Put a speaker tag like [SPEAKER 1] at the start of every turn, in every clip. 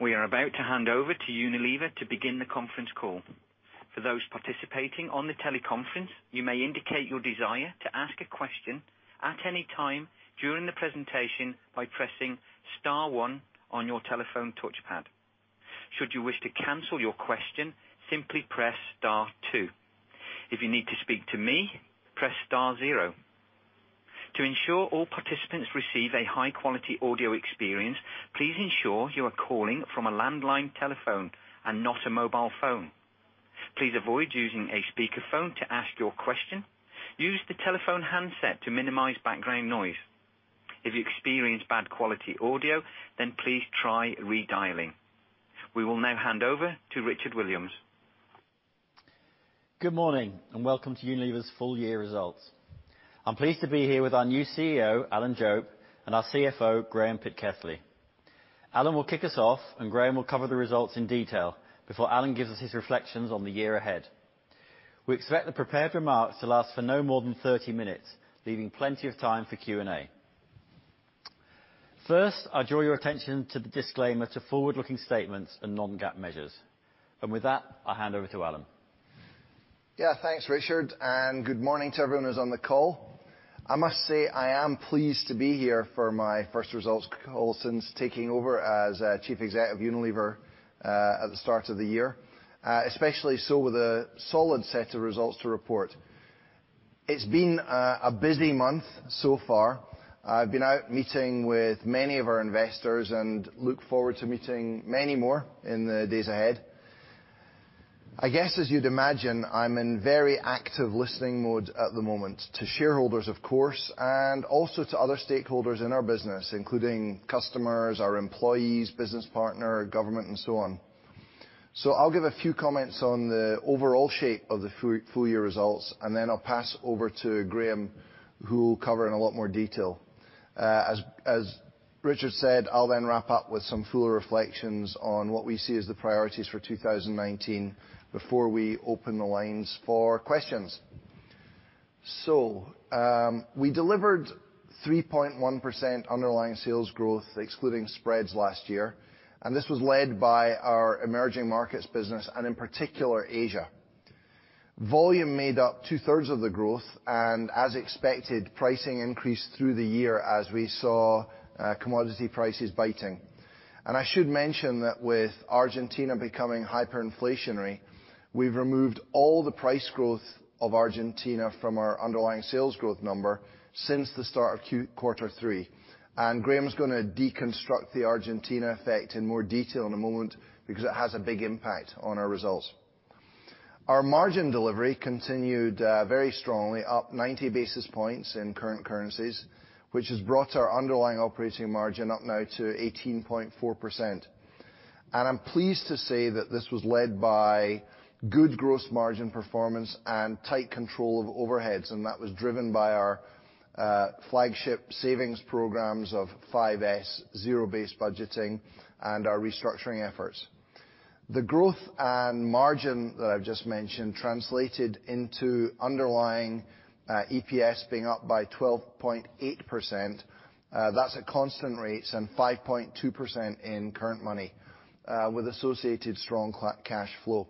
[SPEAKER 1] We are about to hand over to Unilever to begin the conference call. For those participating in the teleconference, you may indicate your desire to ask a question at any time during the presentation by pressing star one on your telephone touchpad. Should you wish to cancel your question, simply press star two. If you need to speak to me, press star zero. To ensure all participants receive a high-quality audio experience, please ensure you are calling from a landline telephone and not a mobile phone. Please avoid using a speakerphone to ask your question. Use the telephone handset to minimize background noise. If you experience bad quality audio, then please try redialing. We will now hand over to Richard Williams.
[SPEAKER 2] Good morning. Welcome to Unilever's full year results. I'm pleased to be here with our new CEO, Alan Jope, and our CFO, Graeme Pitkethly. Alan will kick us off, and Graeme will cover the results in detail before Alan gives us his reflections on the year ahead. We expect the prepared remarks to last for no more than 30 minutes, leaving plenty of time for Q&A. First, I draw your attention to the disclaimer to forward-looking statements and non-GAAP measures. With that, I'll hand over to Alan.
[SPEAKER 3] Thanks, Richard. Good morning to everyone who's on the call. I must say, I am pleased to be here for my first results call since taking over as chief exec of Unilever at the start of the year. Especially so with a solid set of results to report. It's been a busy month so far. I've been out meeting with many of our investors and look forward to meeting many more in the days ahead. I guess, as you'd imagine, I'm in very active listening mode at the moment to shareholders, of course, and also to other stakeholders in our business, including customers, our employees, business partner, government, and so on. I'll give a few comments on the overall shape of the full-year results, then I'll pass over to Graeme, who will cover them in a lot more detail. As Richard said, I'll then wrap up with some fuller reflections on what we see as the priorities for 2019 before we open the lines for questions. We delivered 3.1% underlying sales growth, excluding spreads last year. This was led by our emerging markets business and in particular, Asia. Volume made up two-thirds of the growth. As expected, pricing increased through the year as we saw commodity prices biting. I should mention that with Argentina becoming hyperinflationary, we've removed all the price growth of Argentina from our underlying sales growth number since the start of quarter three. Graeme's gonna deconstruct the Argentina effect in more detail in a moment because it has a big impact on our results. Our margin delivery continued very strongly, up 90 basis points in current currencies, which has brought our underlying operating margin up now to 18.4%. I'm pleased to say that this was led by good gross margin performance and tight control of overheads, and that was driven by our flagship savings programs of 5S, zero-based budgeting, and our restructuring efforts. The growth and margin that I've just mentioned translated into underlying EPS being up by 12.8%. That's at constant rates and 5.2% in current money, with associated strong cash flow.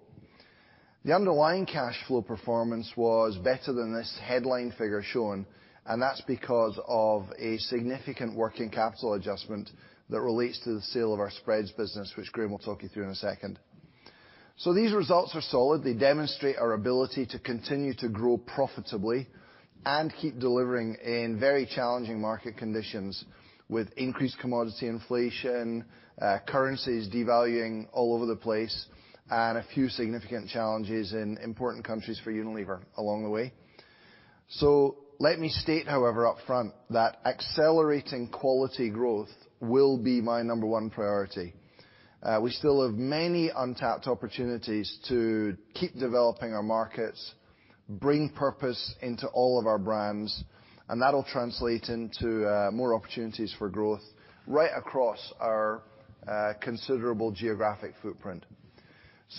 [SPEAKER 3] The underlying cash flow performance was better than this headline figure shown, and that's because of a significant working capital adjustment that relates to the sale of our spreads business, which Graeme will talk you through in a second. These results are solid. They demonstrate our ability to continue to grow profitably and keep delivering in very challenging market conditions with increased commodity inflation, currencies devaluing all over the place, and a few significant challenges in important countries for Unilever along the way. Let me state, however, up front that accelerating quality growth will be my number one priority. We still have many untapped opportunities to keep developing our markets and bring purpose into all of our brands, and that'll translate into more opportunities for growth right across our considerable geographic footprint.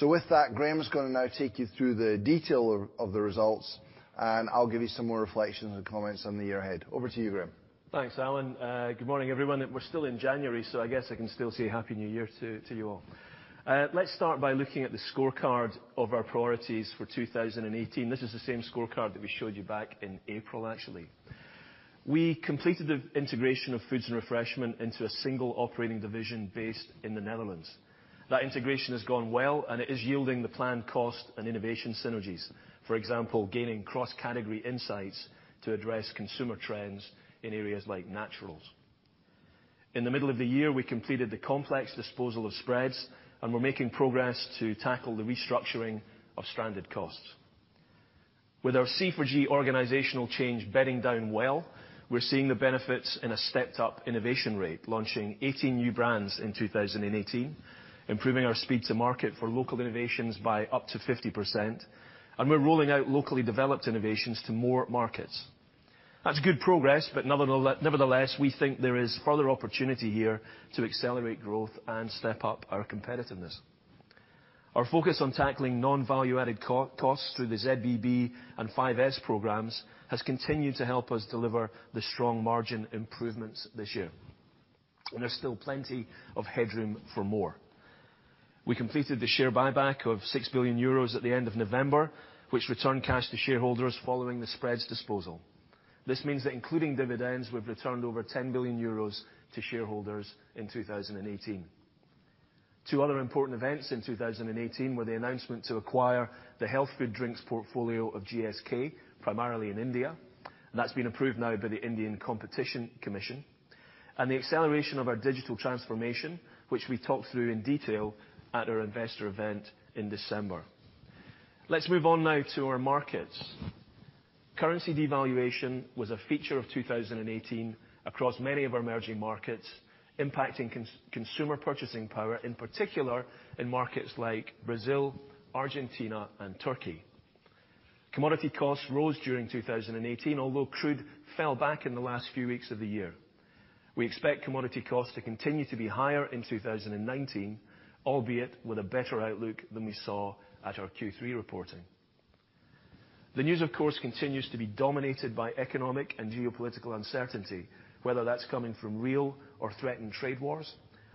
[SPEAKER 3] With that, Graeme is going to now take you through the detail of the results, and I'll give you some more reflections and comments on the year ahead. Over to you, Graeme.
[SPEAKER 4] Thanks, Alan. Good morning, everyone. We're still in January, so I guess I can still say Happy New Year to you all. Let's start by looking at the scorecard of our priorities for 2018. This is the same scorecard that we showed you back in April, actually. We completed the integration of Foods & Refreshment into a single operating division based in the Netherlands. That integration has gone well, and it is yielding the planned cost and innovation synergies. For example, gaining cross-category insights to address consumer trends in areas like naturals. In the middle of the year, we completed the complex disposal of spreads, and we're making progress to tackle the restructuring of stranded costs. With our C4G organizational change bedding down well, we're seeing the benefits in a stepped-up innovation rate, launching 18 new brands in 2018, improving our speed to market for local innovations by up to 50%, and rolling out locally developed innovations to more markets. That's good progress, but nevertheless, we think there is further opportunity here to accelerate growth and step up our competitiveness. Our focus on tackling non-value-added costs through the ZBB and 5S programs has continued to help us deliver the strong margin improvements this year, and there's still plenty of headroom for more. We completed the share buyback of 6 billion euros at the end of November, which returned cash to shareholders following the spreads disposal. This means that including dividends, we've returned over 10 billion euros to shareholders in 2018. Two other important events in 2018 were the announcement to acquire the health food drinks portfolio of GSK, primarily in India. That's been approved now by the Indian Competition Commission and the acceleration of our digital transformation, which we talked through in detail at our investor event in December. Let's move on now to our markets. Currency devaluation was a feature of 2018 across many of our emerging markets, impacting consumer purchasing power, in particular in markets like Brazil, Argentina, and Turkey. Commodity costs rose during 2018, although crude fell back in the last few weeks of the year. We expect commodity costs to continue to be higher in 2019, albeit with a better outlook than we saw at our Q3 reporting. The news, of course, continues to be dominated by economic and geopolitical uncertainty, whether that's coming from real or threatened trade wars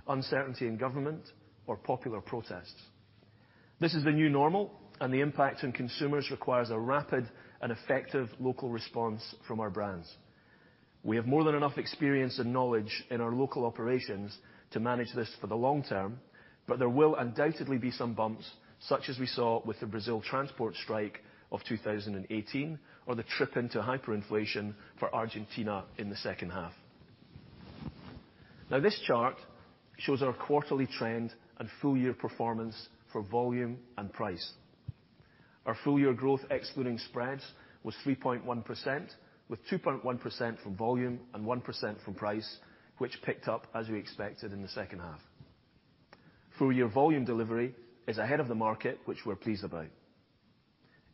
[SPEAKER 4] or uncertainty in government or popular protests. This is the new normal, and the impact on consumers requires a rapid and effective local response from our brands. We have more than enough experience and knowledge in our local operations to manage this for the long term, but there will undoubtedly be some bumps, such as what we saw with the Brazil transport strike of 2018 or the trip into hyperinflation for Argentina in the second half. Now, this chart shows our quarterly trend and full-year performance for volume and price. Our full-year growth, excluding spreads, was 3.1%, with 2.1% from volume and 1% from price, which picked up, as we expected, in the second half. Full-year volume delivery is ahead of the market, which we're pleased about.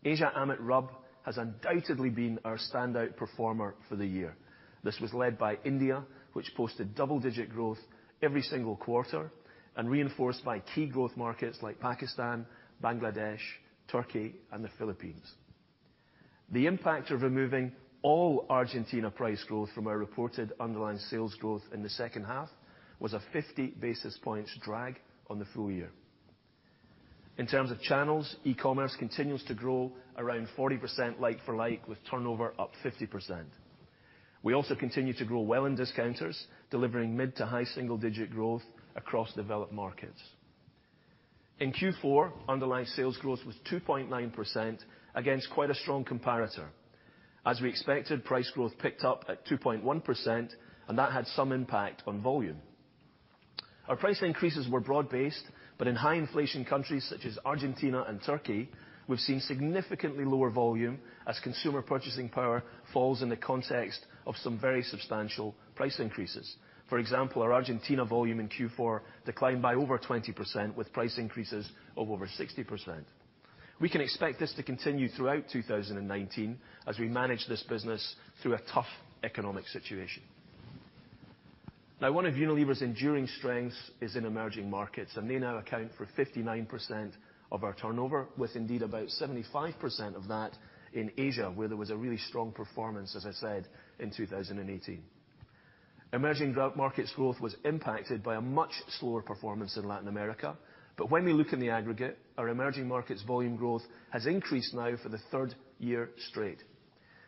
[SPEAKER 4] Asia/AMET/RUB has undoubtedly been our standout performer for the year. This was led by India, which posted double-digit growth every single quarter, and reinforced by key growth markets like Pakistan, Bangladesh, Turkey, and the Philippines. The impact of removing all Argentina price growth from our reported underlying sales growth in the second half was a 50 basis points drag on the full year. In terms of channels, e-commerce continues to grow around 40% like for like, with turnover up 50%. We also continue to grow well in discounters, delivering mid- to high single-digit growth across developed markets. In Q4, underlying sales growth was 2.9% against quite a strong comparator. As we expected, price growth picked up at 2.1%, and that had some impact on volume. Our price increases were broad-based, but in high-inflation countries such as Argentina and Turkey, we've seen significantly lower volume as consumer purchasing power falls in the context of some very substantial price increases. For example, our Argentina volume in Q4 declined by over 20% with price increases of over 60%. We can expect this to continue throughout 2019 as we manage this business through a tough economic situation. One of Unilever's enduring strengths is in emerging markets. They now account for 59% of our turnover, with indeed about 75% of that in Asia, where there was a really strong performance, as I said, in 2018. Emerging markets' growth was impacted by a much slower performance in Latin America. When we look in the aggregate, our emerging markets' volume growth has increased now for the third year straight.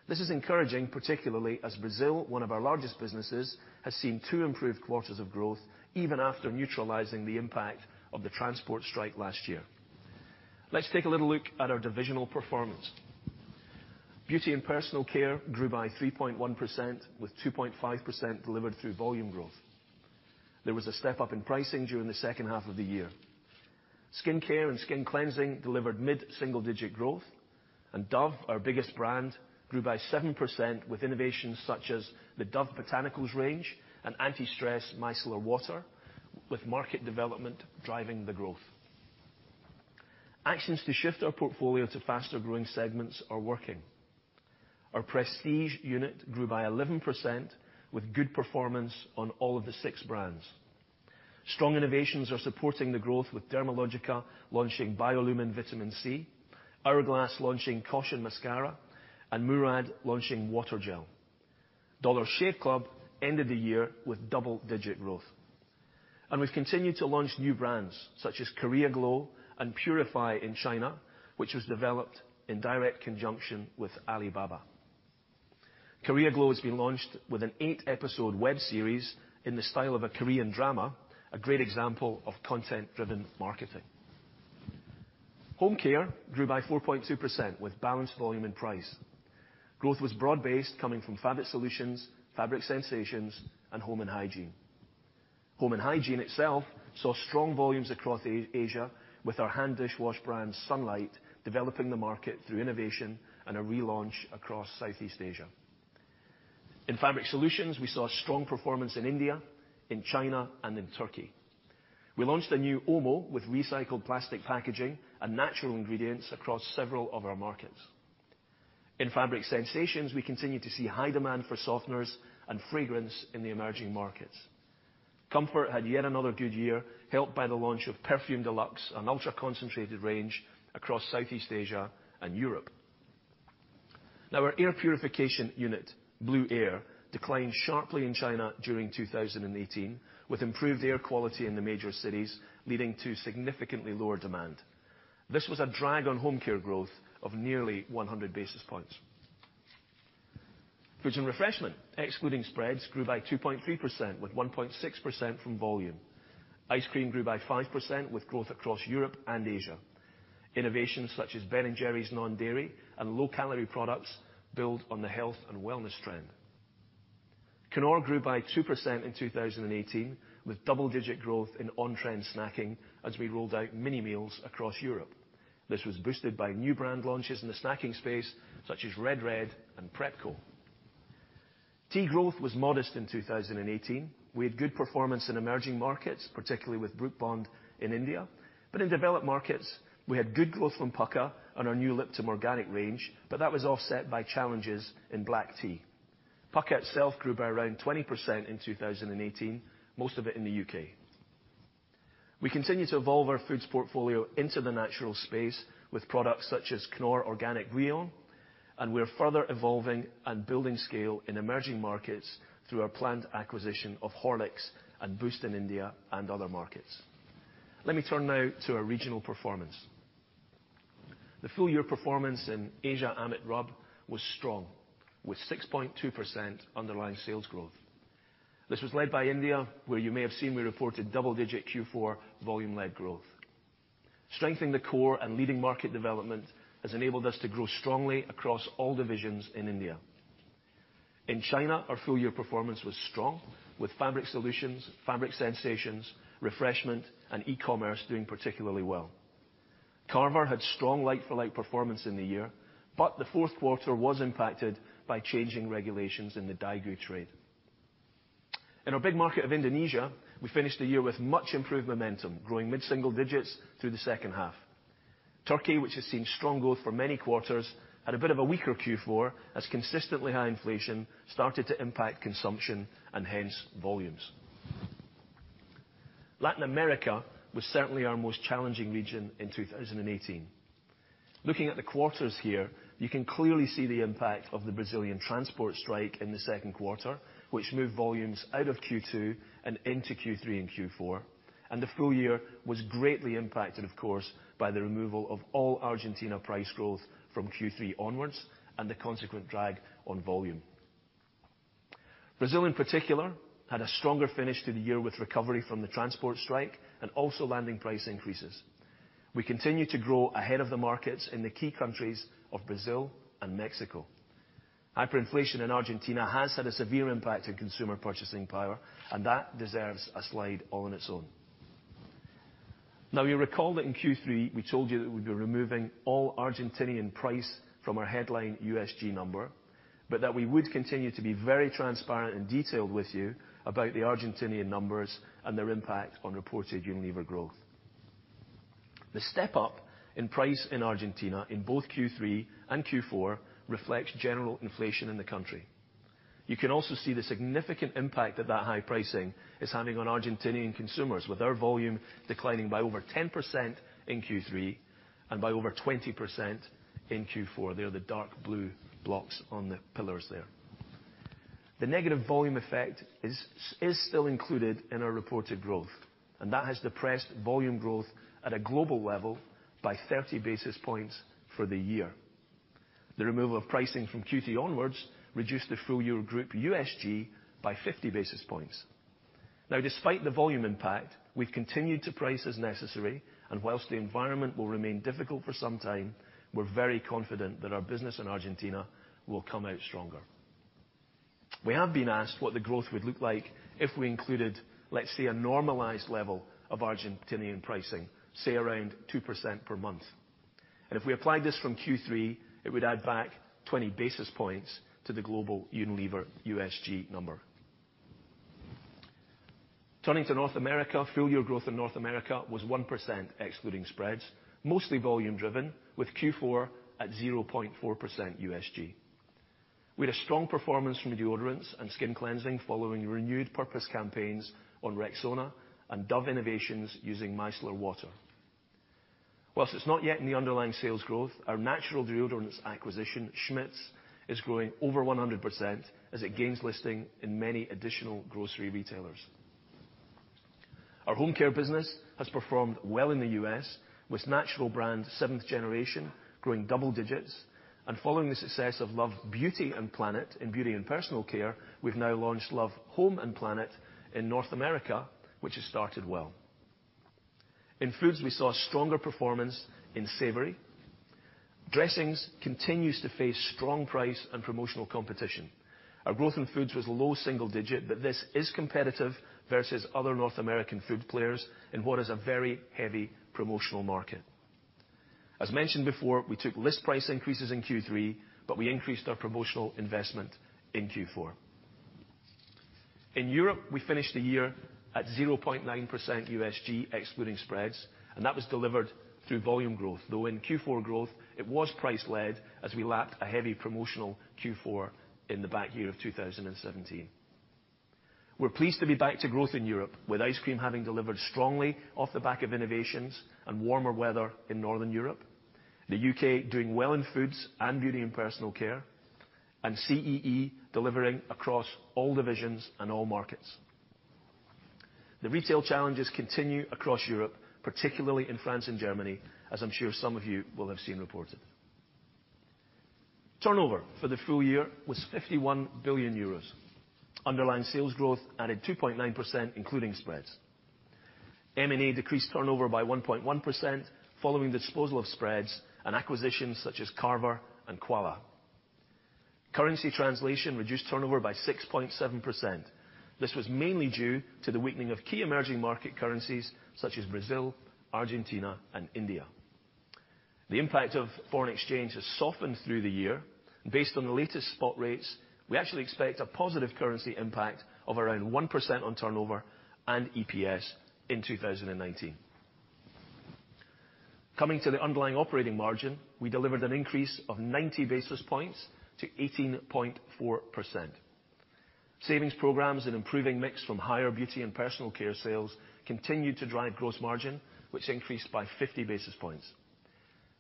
[SPEAKER 4] This is encouraging, particularly as Brazil, one of our largest businesses, has seen two improved quarters of growth even after neutralizing the impact of the transport strike last year. Let's take a little look at our divisional performance. Beauty and personal care grew by 3.1%, with 2.5% delivered through volume growth. There was a step up in pricing during the second half of the year. Skincare and skin cleansing delivered mid-single-digit growth. Dove, our biggest brand, grew by 7% with innovations such as the Dove Botanicals range and Anti-Stress Micellar Water, with market development driving the growth. Actions to shift our portfolio to faster-growing segments are working. Our prestige unit grew by 11% with good performance on all of the six brands. Strong innovations are supporting the growth, with Dermalogica launching BioLumin-C Vitamin C, Hourglass launching Caution Mascara, and Murad launching Water Gel. Dollar Shave Club ended the year with double-digit growth. We've continued to launch new brands such as Korea Glow and Purify in China, which was developed in direct conjunction with Alibaba. Korea Glow has been launched with an eight-episode web series in the style of a Korean drama, a great example of content-driven marketing. Home care grew by 4.2% with balanced volume and price. Growth was broad based coming from fabric solutions, fabric sensations and home and hygiene. Home and hygiene itself saw strong volumes across Asia, with our hand dishwash brand, Sunlight, developing the market through innovation and a relaunch across Southeast Asia. In fabric solutions, we saw strong performance in India, in China, and in Turkey. We launched a new OMO with recycled plastic packaging and natural ingredients across several of our markets. In Fabric Sensations, we continue to see high demand for softeners and fragrance in the emerging markets. Comfort had yet another good year, helped by the launch of Perfume Deluxe, an ultra-concentrated range across Southeast Asia and Europe. Our air purification unit, Blueair, declined sharply in China during 2018 with improved air quality in the major cities, leading to significantly lower demand. This was a drag on Home Care growth of nearly 100 basis points. Foods & Refreshments, excluding spreads, grew by 2.3%, with 1.6% from volume. Ice cream grew by 5% with growth across Europe and Asia. Innovations such as Ben & Jerry's non-dairy and low-calorie products build on the health and wellness trend. Knorr grew by 2% in 2018, with double-digit growth in on-trend snacking as we rolled out mini meals across Europe. This was boosted by new brand launches in the snacking space, such as Red Red and PrepCo. Tea growth was modest in 2018. We had good performance in emerging markets, particularly with Brooke Bond in India. In developed markets we had good growth from Pukka and our new Lipton organic range, but that was offset by challenges in black tea. Pukka itself grew by around 20% in 2018, most of it in the U.K. We continue to evolve our food portfolio into the natural space with products such as Knorr Organic Bouillon. We are further evolving and building scale in emerging markets through our planned acquisition of Horlicks and Boost in India and other markets. Let me turn now to our regional performance. The full-year performance in Asia/AMET/RUB was strong with 6.2% underlying sales growth. This was led by India, where you may have seen we reported double-digit Q4 volume-led growth. Strengthening the core and leading market development has enabled us to grow strongly across all divisions in India. In China, our full-year performance was strong, with Fabric Solutions, Fabric Sensations, Refreshment, and e-commerce doing particularly well. Carver had strong like-for-like performance in the year, but the fourth quarter was impacted by changing regulations in the daigou trade. In our big market of Indonesia, we finished the year with much improved momentum, growing mid-single digits through the second half. Turkey, which has seen strong growth for many quarters, had a bit of a weaker Q4 as consistently high inflation started to impact consumption and hence volumes. Latin America was certainly our most challenging region in 2018. Looking at the quarters here, you can clearly see the impact of the Brazilian transport strike in the second quarter, which moved volumes out of Q2 and into Q3 and Q4. The full year was greatly impacted, of course, by the removal of all Argentina price growth from Q3 onwards and the consequent drag on volume. Brazil, in particular, had a stronger finish to the year with recovery from the transport strike and also landing price increases. We continue to grow ahead of the markets in the key countries of Brazil and Mexico. Hyperinflation in Argentina has had a severe impact on consumer purchasing power. That deserves a slide all on its own. You recall that in Q3, we told you that we'd be removing all Argentinian prices from our headline USG number. We would continue to be very transparent and detailed with you about the Argentinian numbers and their impact on reported Unilever growth. The step-up in price in Argentina in both Q3 and Q4 reflects general inflation in the country. You can also see the significant impact that that high pricing is having on Argentinian consumers, with their volume declining by over 10% in Q3 and by over 20% in Q4. They are the dark blue blocks on the pillars there. The negative volume effect is still included in our reported growth. That has depressed volume growth at a global level by 30 basis points for the year. The removal of pricing from Q3 onwards reduced the full-year group USG by 50 basis points. Despite the volume impact, we've continued to price as necessary. While the environment will remain difficult for some time, we're very confident that our business in Argentina will come out stronger. We have been asked what the growth would look like if we included, let's say, a normalized level of Argentinian pricing, say around 2% per month. If we applied this from Q3, it would add back 20 basis points to the global Unilever USG number. Turning to North America, full-year growth in North America was 1% excluding spreads, mostly volume-driven with Q4 at 0.4% USG. We had a strong performance from deodorants and skin cleansing following renewed purpose campaigns on Rexona and Dove innovations using micellar water. While it's not yet in the underlying sales growth, our natural deodorant acquisition, Schmidt's, is growing over 100% as it gains listings in many additional grocery retailers. Our Home Care business has performed well in the U.S. with the natural brand Seventh Generation growing double digits, and following the success of Love Beauty and Planet in beauty and personal care, we've now launched Love Home and Planet in North America, which has started well. In Foods, we saw a stronger performance in savory. Dressings continue to face strong price and promotional competition. Our growth in Foods was low single digit, but this is competitive versus other North American food players in what is a very heavy promotional market. As mentioned before, we took list price increases in Q3, but we increased our promotional investment in Q4. In Europe, we finished the year at 0.9% USG excluding spreads, and that was delivered through volume growth, though in Q4 growth, it was price-led as we lapped a heavy promotional Q4 in the back half of the year 2017. We're pleased to be back to growth in Europe with ice cream having delivered strongly off the back of innovations and warmer weather in Northern Europe, the U.K. doing well in foods and beauty and personal care, and CEE delivering across all divisions and all markets. The retail challenges continue across Europe, particularly in France and Germany, as I'm sure some of you will have seen reported. Turnover for the full year was 51 billion euros. Underlying sales growth added 2.9%, including spreads. M&A decreased turnover by 1.1% following the disposal of spreads and acquisitions such as Carver and Quala. Currency translation reduced turnover by 6.7%. This was mainly due to the weakening of key emerging market currencies such as Brazil, Argentina, and India. The impact of foreign exchange has softened through the year. Based on the latest spot rates, we actually expect a positive currency impact of around 1% on turnover and EPS in 2019. Coming to the underlying operating margin, we delivered an increase of 90 basis points to 18.4%. Savings programs and improving mix from higher beauty and personal care sales continued to drive gross margin, which increased by 50 basis points.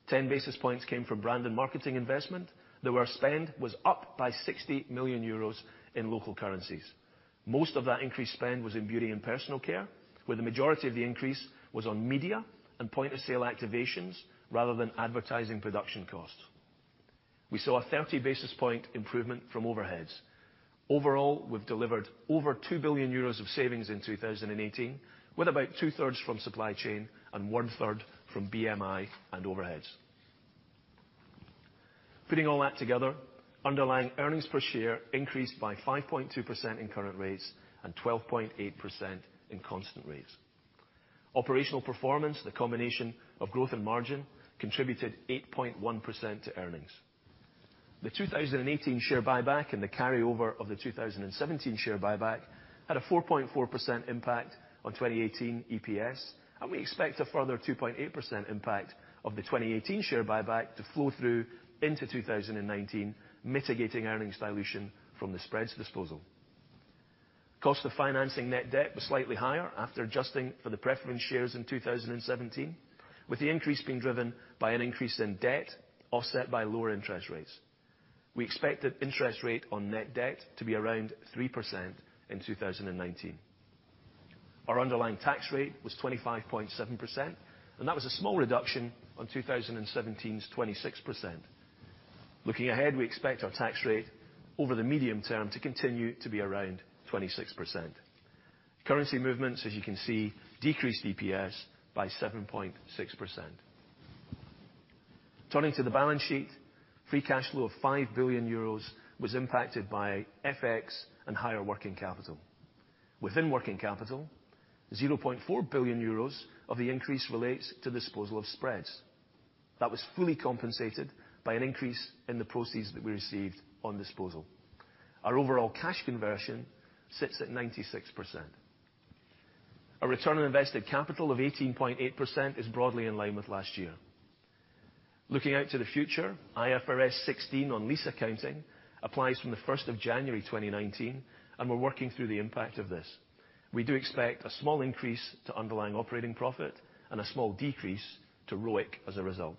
[SPEAKER 4] 10 basis points came from brand and marketing investment, though our spend was up by 60 million euros in local currencies. Most of that increased spend was in beauty and personal care, where the majority of the increase was on media and point-of-sale activations rather than advertising production costs. We saw a 30 basis point improvement from overheads. Overall, we've delivered over 2 billion euros of savings in 2018, with about two-thirds from supply chain and one-third from BMI and overheads. Putting all that together, underlying earnings per share increased by 5.2% in current rates and 12.8% in constant rates. Operational performance, the combination of growth and margin, contributed 8.1% to earnings. The 2018 share buyback and the carryover of the 2017 share buyback had a 4.4% impact on 2018 EPS, and we expect a further 2.8% impact of the 2018 share buyback to flow through into 2019, mitigating earnings dilution from the spreads disposal. Cost of financing net debt was slightly higher after adjusting for the preference shares in 2017, with the increase being driven by an increase in debt offset by lower interest rates. We expected the interest rate on net debt to be around 3% in 2019. Our underlying tax rate was 25.7%. That was a small reduction on 2017's 26%. Looking ahead, we expect our tax rate over the medium term to continue to be around 26%. Currency movements, as you can see, decreased EPS by 7.6%. Turning to the balance sheet, free cash flow of 5 billion euros was impacted by FX and higher working capital. Within working capital, 0.4 billion euros of the increase relates to the disposal of spreads. That was fully compensated by an increase in the proceeds that we received on disposal. Our overall cash conversion sits at 96%. A return on invested capital of 18.8% is broadly in line with last year. Looking out to the future, IFRS 16 on lease accounting applies from the 1st of January 2019. We're working through the impact of this. We do expect a small increase to underlying operating profit and a small decrease to ROIC as a result.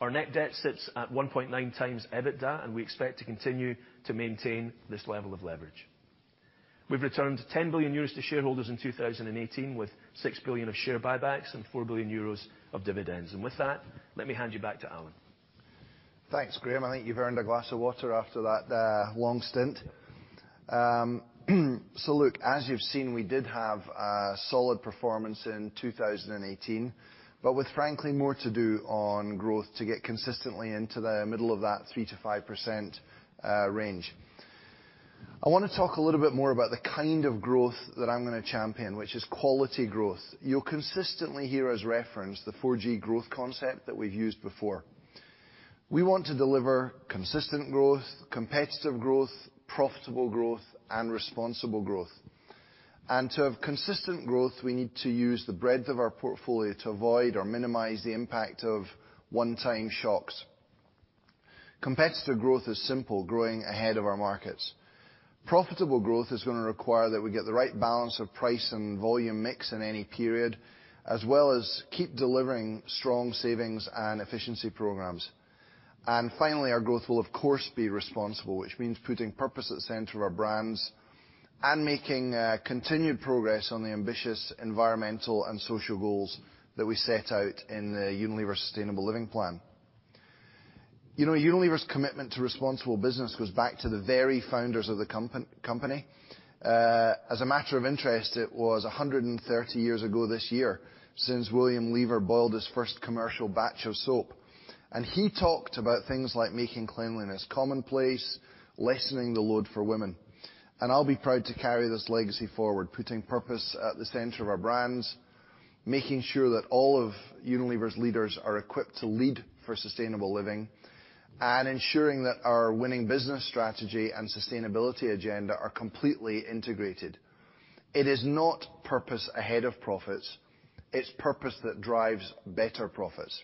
[SPEAKER 4] Our net debt sits at 1.9x EBITDA. We expect to continue to maintain this level of leverage. We've returned 10 billion euros to shareholders in 2018 with 6 billion of share buybacks and 4 billion euros of dividends. With that, let me hand you back to Alan.
[SPEAKER 3] Thanks, Graeme. I think you've earned a glass of water after that long stint. Look, as you've seen, we did have a solid performance in 2018, but with, frankly, more to do on growth to get consistently into the middle of that 3%-5% range. I want to talk a little bit more about the kind of growth that I'm going to champion, which is quality growth. You'll consistently hear us reference the 4G growth concept that we've used before. We want to deliver consistent growth, competitive growth, profitable growth, and responsible growth. To have consistent growth, we need to use the breadth of our portfolio to avoid or minimize the impact of one-time shocks. Competitive growth is simple, growing ahead of our markets. Profitable growth is going to require that we get the right balance of price and volume mix in any period, as well as keep delivering strong savings and efficiency programs. Finally, our growth will, of course, be responsible, which means putting purpose at the center of our brands and making continued progress on the ambitious environmental and social goals that we set out in the Unilever Sustainable Living Plan. Unilever's commitment to responsible business goes back to the very founders of the company. As a matter of interest, it was 130 years ago this year since William Lever boiled his first commercial batch of soap. He talked about things like making cleanliness commonplace, lessening the load for women. I'll be proud to carry this legacy forward, putting purpose at the center of our brands. Making sure that all of Unilever's leaders are equipped to lead for sustainable living and ensuring that our winning business strategy and sustainability agenda are completely integrated. It is not purpose ahead of profits. It's purpose that drives better profits.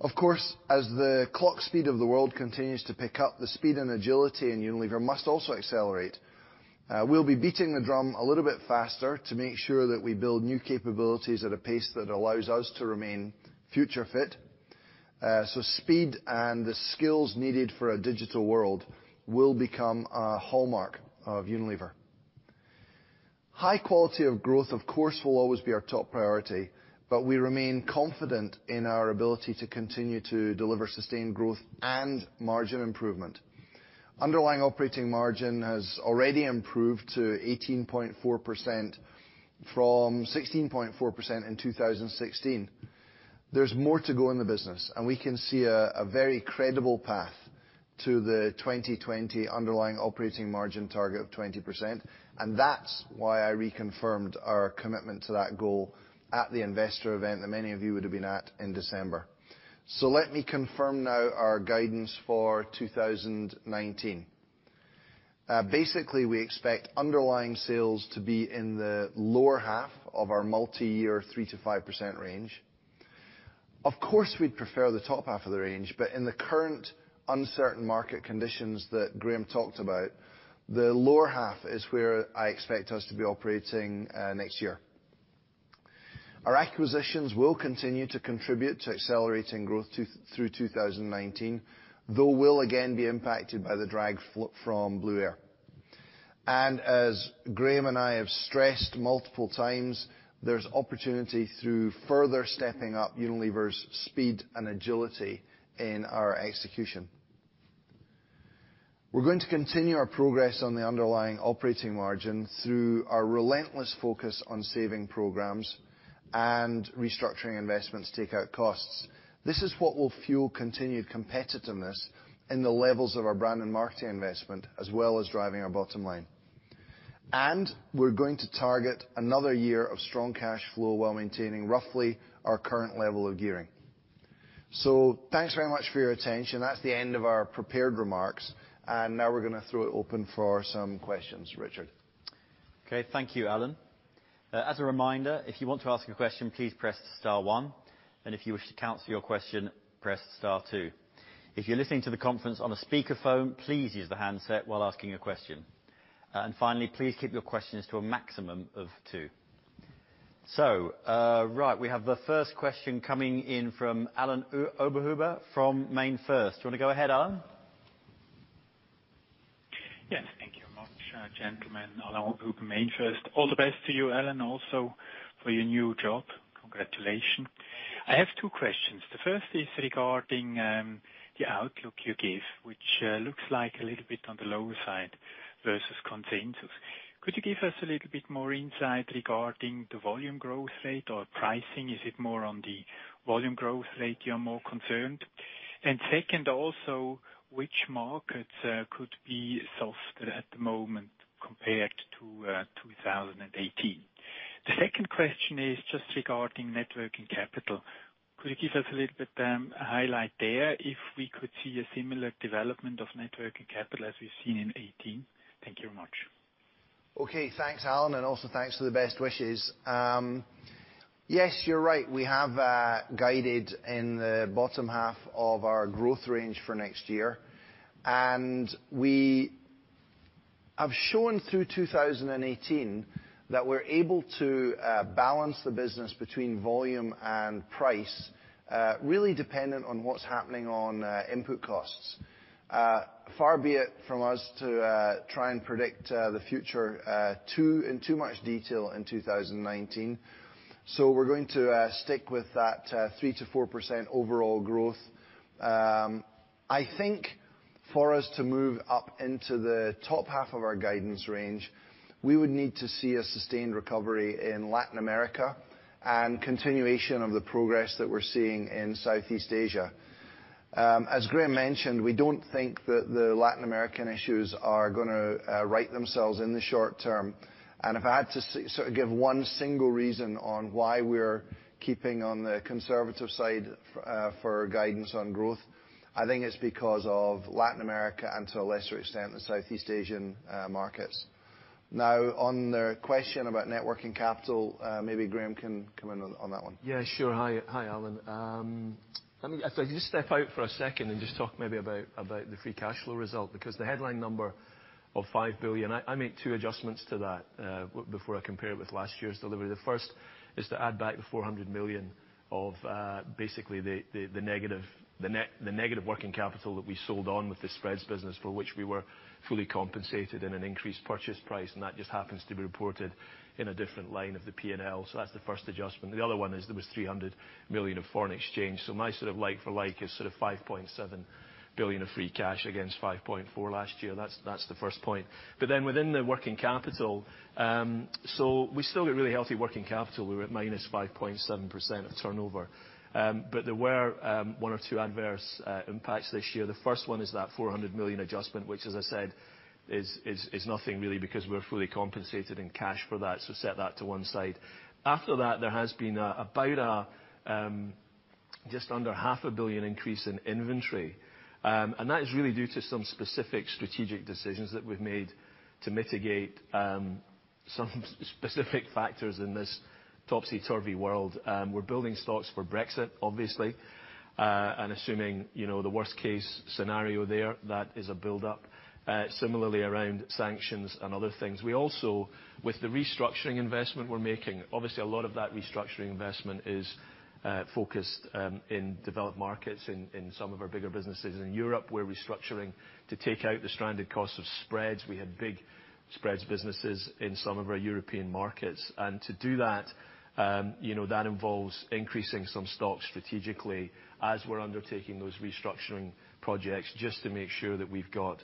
[SPEAKER 3] Of course, as the clock speed of the world continues to pick up, the speed and agility in Unilever must also accelerate. We'll be beating the drum a little bit faster to make sure that we build new capabilities at a pace that allows us to remain future fit. Speed and the skills needed for a digital world will become a hallmark of Unilever. High quality of growth, of course, will always be our top priority, but we remain confident in our ability to continue to deliver sustained growth and margin improvement. Underlying operating margin has already improved to 18.4% from 16.4% in 2016. There's more to go in the business, and we can see a very credible path to the 2020 underlying operating margin target of 20%, and that's why I reconfirmed our commitment to that goal at the investor event that many of you would've been at in December. Let me confirm now our guidance for 2019. Basically, we expect underlying sales to be in the lower half of our multi-year 3%-5% range. Of course, we'd prefer the top half of the range, but in the current uncertain market conditions that Graeme talked about, the lower half is where I expect us to be operating next year. Our acquisitions will continue to contribute to accelerating growth through 2019, though they will again be impacted by the drag from Blueair. As Graeme and I have stressed multiple times, there's opportunity through further stepping up Unilever's speed and agility in our execution. We're going to continue our progress on the underlying operating margin through our relentless focus on saving programs and restructuring investments to take out costs. This is what will fuel continued competitiveness in the levels of our brand and marketing investment, as well as driving our bottom line. We're going to target another year of strong cash flow while maintaining roughly our current level of gearing. Thanks very much for your attention. That's the end of our prepared remarks, and now we're going to throw it open for some questions. Richard?
[SPEAKER 2] Okay, thank you, Alan. As a reminder, if you want to ask a question, please press star one, and if you wish to cancel your question, press star two. If you're listening to the conference on a speakerphone, please use the handset while asking a question. Finally, please keep your questions to a maximum of two. Right, we have the first question coming in from Alain Oberhuber from MainFirst. You want to go ahead, Alain?
[SPEAKER 5] Yes. Thank you much, gentlemen. Alain Oberhuber, MainFirst. All the best to you, Alan, also for your new job. Congratulations. I have two questions. The first is regarding the outlook you gave, which looks like a little bit on the lower side versus consensus. Could you give us a little bit more insight regarding the volume growth rate or pricing? Is it more on the volume growth rate you're more concerned? Second, which markets could be softer at the moment compared to 2018? The second question is just regarding net working capital. Could you give us a little bit of a highlight there if we could see a similar development of networking capital as we've seen in 2018? Thank you very much.
[SPEAKER 3] Okay. Thanks, Alain. Also, thanks for the best wishes. Yes, you're right. We have guided in the bottom half of our growth range for next year. We have shown through 2018 that we're able to balance the business between volume and price, really dependent on what's happening with input costs. Far be it from us to try and predict the future in too much detail in 2019. We're going to stick with that 3%-4% overall growth. I think for us to move up into the top half of our guidance range, we would need to see a sustained recovery in Latin America and continuation of the progress that we're seeing in Southeast Asia. As Graeme mentioned, we don't think that the Latin American issues are going to right themselves in the short term. If I had to give one single reason why we're keeping on the conservative side for guidance on growth, I think it's because of Latin America, and to a lesser extent, the Southeast Asian markets. On the question about net working capital, maybe Graeme can come in on that one.
[SPEAKER 4] Yeah, sure. Hi, Alain. If I could just step out for a second and just talk maybe about the free cash flow result, because the headline number of 5 billion, I made two adjustments to that before I compared it with last year's delivery. The first is to add back the 400 million of basically the negative working capital that we sold on with the spreads business, for which we were fully compensated in an increased purchase price, and that just happens to be reported in a different line of the P&L. That's the first adjustment. The other one was 300 million of foreign exchange. My like-for-like is sort of 5.7 billion of free cash against 5.4 billion last year. That's the first point. Within the working capital, we still get really healthy working capital. We're at -5.7% of turnover. There were one or two adverse impacts this year. The first one is that 400 million adjustment, which, as I said, is nothing really because we're fully compensated in cash for that, so set that to one side. After that, there has been about it. Just under half a billion EUR increase in inventory. That is really due to some specific strategic decisions that we've made to mitigate some specific factors in this topsy-turvy world. We're building stocks for Brexit, obviously, and assuming the worst-case scenario there, which is a buildup. Similarly, around sanctions and other things. We also, with the restructuring investment we're making, obviously have a lot of that restructuring investment focused in developed markets in some of our bigger businesses in Europe. We're restructuring to take out the stranded costs of spreads. We had big spread businesses in some of our European markets. To do that involves increasing some stocks strategically as we're undertaking those restructuring projects, just to make sure that we've got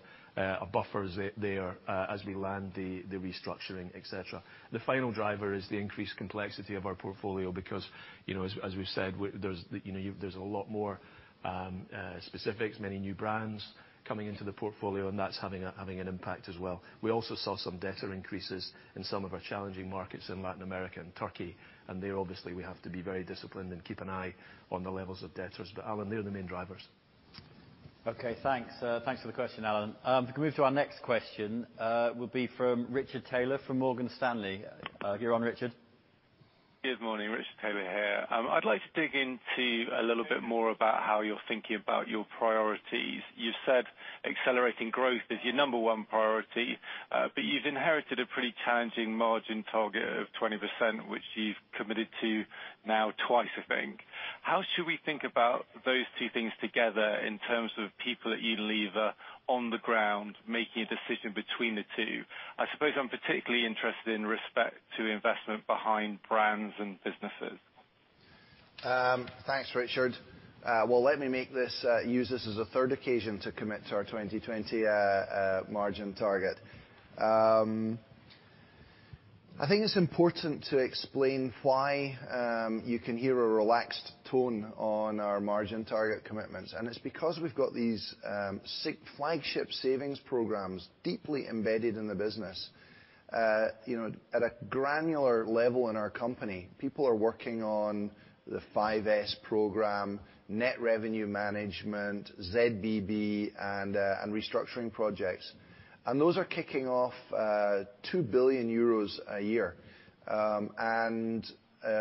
[SPEAKER 4] buffers there as we land the restructuring, et cetera. The final driver is the increased complexity of our portfolio because, as we've said, there are a lot more specifics and many new brands coming into the portfolio, and that's having an impact as well. We also saw some debtor increases in some of our challenging markets in Latin America and Turkey, and obviously, there we have to be very disciplined and keep an eye on the levels of debtors. Alain, they are the main drivers.
[SPEAKER 2] Okay, thanks. Thanks for the question, Alain. If we can move to our next question, it will be from Richard Taylor from Morgan Stanley. You're on, Richard.
[SPEAKER 6] Good morning. Richard Taylor here. I'd like to dig into a little bit more about how you're thinking about your priorities. You said accelerating growth is your number one priority, but you've inherited a pretty challenging margin target of 20%, which you've committed to now twice, I think. How should we think about those two things together in terms of people at Unilever on the ground making a decision between the two? I suppose I'm particularly interested in respect to investment behind brands and businesses.
[SPEAKER 3] Thanks, Richard. Well, let me use this as a third occasion to commit to our 2020 margin target. I think it's important to explain why you can hear a relaxed tone on our margin target commitments because we've got these flagship savings programs deeply embedded in the business. At a granular level in our company, people are working on the 5S Program, net revenue management, ZBB and restructuring projects, and those are kicking off 2 billion euros a year, and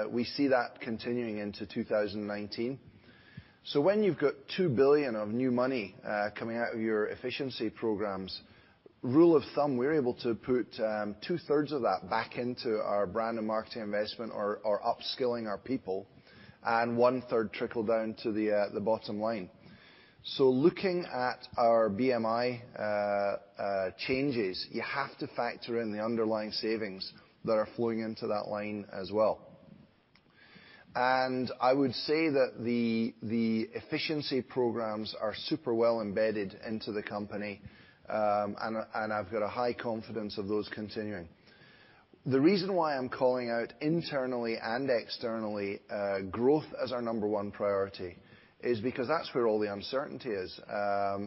[SPEAKER 3] we see that continuing into 2019. When you've got 2 billion of new money coming out of your efficiency programs, as a rule of thumb, we're able to put two-thirds of that back into our brand and marketing investment or upskilling our people, and one-third trickles down to the bottom line. Looking at our BMI changes, you have to factor in the underlying savings that are flowing into that line as well. I would say that the efficiency programs are super well embedded into the company, and I've got high confidence of those continuing. The reason why I'm calling internal and external growth our number one priority is because that's where all the uncertainty is.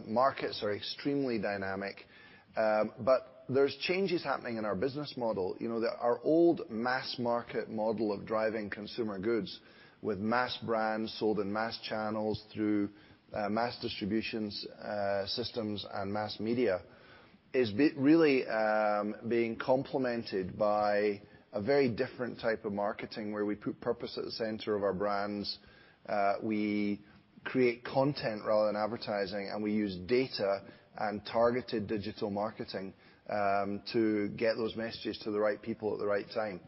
[SPEAKER 3] Markets are extremely dynamic; there are changes happening in our business model. Our old mass-market model of driving consumer goods with mass brands sold in mass channels through mass distribution systems and mass media is really being complemented by a very different type of marketing, where we put purpose at the center of our brands. We create content rather than advertising, we use data and targeted digital marketing to get those messages to the right people at the right time.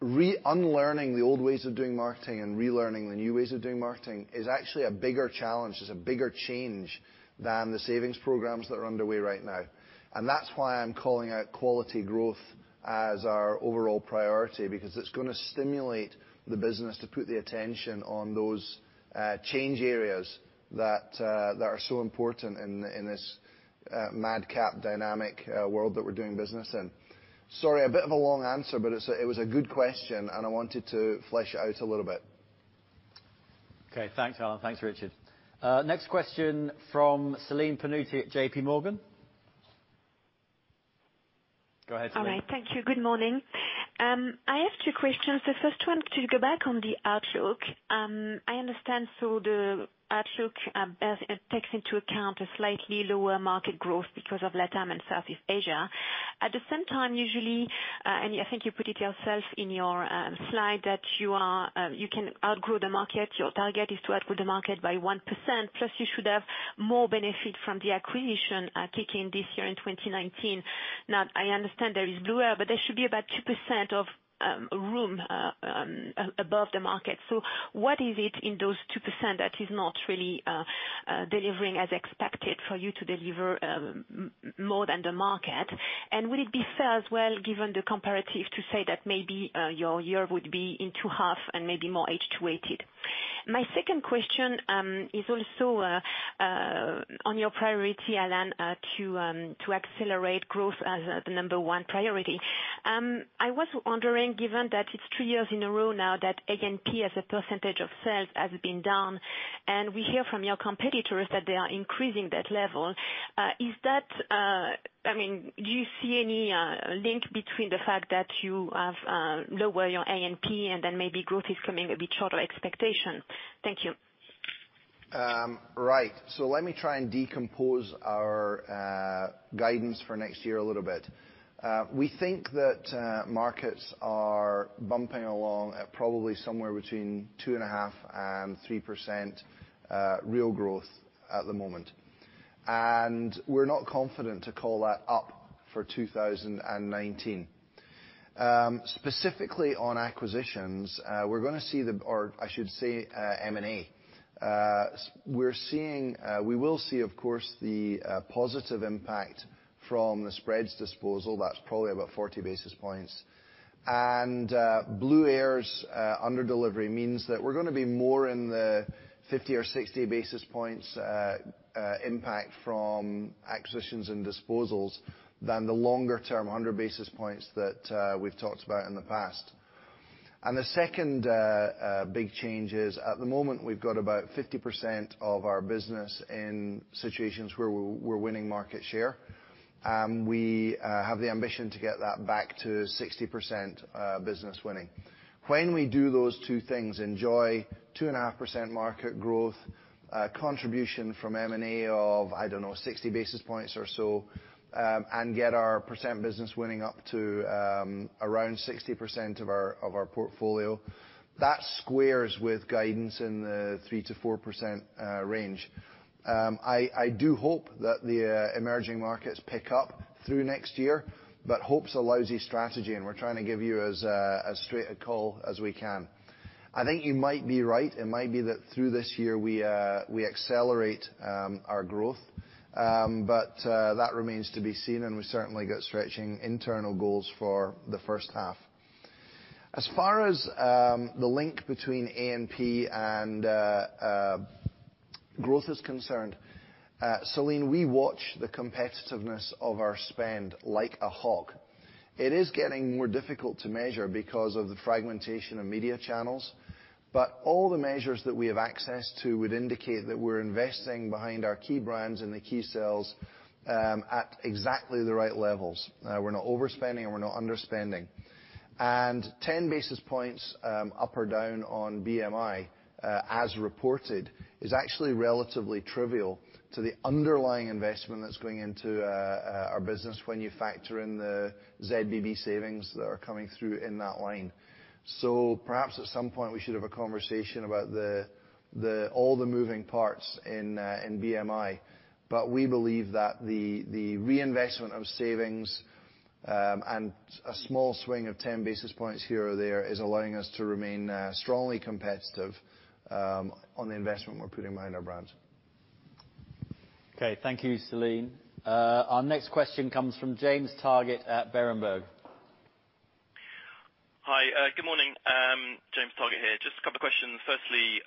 [SPEAKER 3] Unlearning the old ways of doing marketing and relearning the new ways of doing marketing is actually a bigger challenge and a bigger change than the savings programs that are underway right now. That's why I'm calling out quality growth as our overall priority, because it's going to stimulate the business to put the attention on those change areas that are so important in this madcap dynamic world that we're doing business in. Sorry, a bit of a long answer, but it was a good question, and I wanted to flesh it out a little bit.
[SPEAKER 2] Okay. Thanks, Alan. Thanks, Richard. Next question from Celine Pannuti at JPMorgan. Go ahead, Celine.
[SPEAKER 7] All right. Thank you. Good morning. I have two questions. The first one is to go back on the outlook. I understand the outlook takes into account a slightly lower market growth because of LatAm and Southeast Asia. At the same time, usually, and I think you put it yourself in your slide, you can outgrow the market. Your target is to outgrow the market by 1%, plus you should have more benefit from the acquisition kicking off this year in 2019. Now, I understand there is Blueair, but there should be about 2% of room above the market. What is it in those 2% that is not really delivering as expected for you to deliver more than the market? Would it be fair as well, given the comparison, to say that maybe your year would be into half and maybe more H2 weighted? My second question is also on your priority, Alan, to accelerate growth as the number one priority. I was wondering, given that it's two years in a row now that A&P as a percentage of sales has been down, if we hear from your competitors that they are increasing that level. Do you see any link between the fact that you have lower your A&P and maybe growth is coming a bit short of expectation? Thank you.
[SPEAKER 3] Right. Let me try and decompose our guidance for next year a little bit. We think that markets are bumping along at probably somewhere between 2.5% and 3% real growth at the moment. We're not confident calling that up for 2019. Specifically on acquisitions, we're going to see the M&A. We will see, of course, the positive impact from the spread's disposal. That's probably about 40 basis points. Blueair's under-delivery means that we're going to be more in the 50 or 60 basis points impact from acquisitions and disposals than the longer-term 100 basis points that we've talked about in the past. The second big change is, at the moment, we've got about 50% of our business in situations where we're winning market share. We have the ambition to get that back to 60% business winning. When we do those two things, we enjoy 2.5% market growth, a contribution from M&A of, I don't know, 60 basis points or so, and get our percentage of business winning up to around 60% of our portfolio. That squares with guidance in the 3%-4% range. I do hope that the emerging markets pick up through next year, but hope's a lousy strategy, and we're trying to give you as straight a call as we can. I think you might be right. It might be that through this year, we accelerate our growth. That remains to be seen, and we certainly got stretching internal goals for the first half. As far as the link between A&P and growth is concerned, Celine, we watch the competitiveness of our spend like a hawk. It is getting more difficult to measure because of the fragmentation of media channels, but all the measures that we have access to would indicate that we're investing in our key brands and the key sales at exactly the right levels. We're not overspending and we're not underspending. 10 basis points up or down on BMI, as reported, is actually relatively trivial to the underlying investment that's going into our business when you factor in the ZBB savings that are coming through in that line. Perhaps at some point we should have a conversation about all the moving parts in BMI, but we believe that the reinvestment of savings, and a small swing of 10 basis points here or there, is allowing us to remain strongly competitive on the investment we're putting behind our brands.
[SPEAKER 2] Okay. Thank you, Celine. Our next question comes from James Targett at Berenberg.
[SPEAKER 8] Hi, good morning. James Targett here. Just a couple questions. Firstly,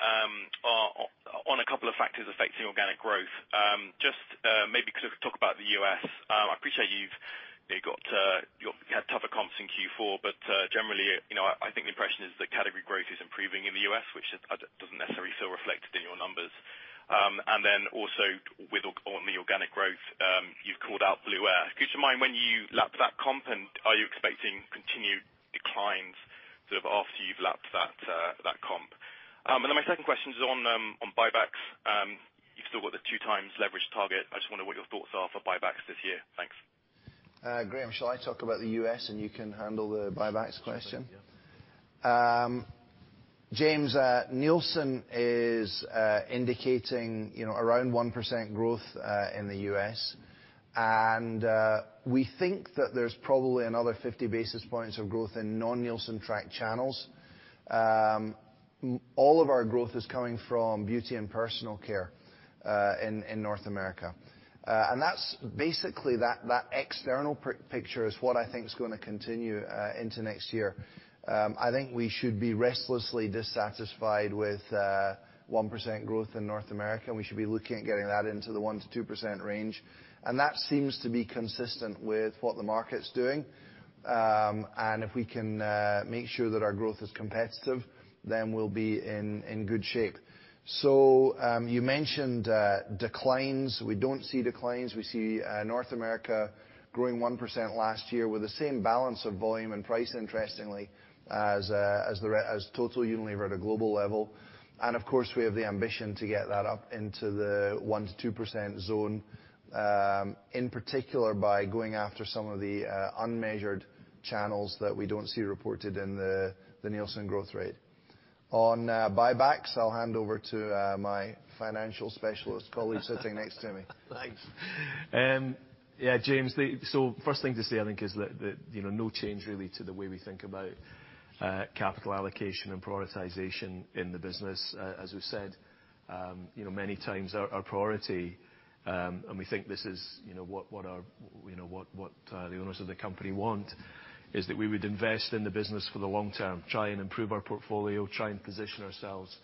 [SPEAKER 8] on a couple of factors affecting organic growth. Just maybe could talk about the U.S. I appreciate you've had tougher comps in Q4, but generally, I think the impression is that category growth is improving in the U.S., which doesn't necessarily feel reflected in your numbers. Also, on the organic growth, you've called out Blueair. Could you remind me when you lapped that comp, and are you expecting continued declines, sort of after you've lapped that comp? My second question is on buybacks. You've still got the 2x leverage target. I just wonder what your thoughts are for buybacks this year. Thanks.
[SPEAKER 3] Graeme, shall I talk about the U.S., and you can handle the buybacks question?
[SPEAKER 4] Sure thing, yeah.
[SPEAKER 3] James, Nielsen is indicating around 1% growth in the U.S.; we think that there's probably another 50 basis points of growth in non-Nielsen-tracked channels. All of our growth is coming from beauty and personal care in North America. That's basically it; that external picture is what I think is going to continue into next year. I think we should be restlessly dissatisfied with 1% growth in North America, and we should be looking at getting that into the 1%-2% range. That seems to be consistent with what the market's doing. If we can make sure that our growth is competitive, then we'll be in good shape. You mentioned declines. We don't see declines. We see North America growing 1% last year with the same balance of volume and price, interestingly, as total Unilever at a global level. Of course, we have the ambition to get that up into the 1%-2% zone, in particular by going after some of the unmeasured channels that we don't see reported in the Nielsen growth rate. On buybacks, I'll hand over to my financial specialist colleague sitting next to me.
[SPEAKER 4] Thanks, James. First thing to say, I think, is that there's really no change to the way we think about capital allocation and prioritization in the business. As we've said many times, our priority, and we think this is what the owners of the company want, is that we would invest in the business for the long term. Try and improve our portfolio; try and position ourselves